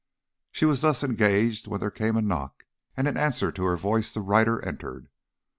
She was thus engaged when there came a knock, and in answer to her voice the writer entered.